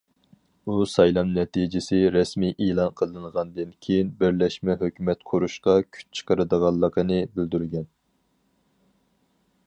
ئۇ سايلام نەتىجىسى رەسمىي ئېلان قىلىنغاندىن كېيىن بىرلەشمە ھۆكۈمەت قۇرۇشقا كۈچ چىقىرىدىغانلىقىنى بىلدۈرگەن.